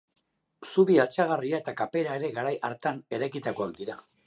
Zubi altxagarria eta kapera ere garai hartan eraikitakoak dira.